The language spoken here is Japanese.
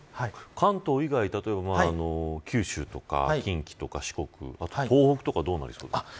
関東以外、例えば九州とか近畿とか四国あと東北とかどうなりそうですか。